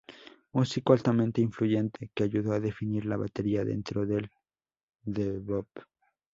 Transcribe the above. Músico altamente influyente que ayudó a definir la batería dentro del "bebop".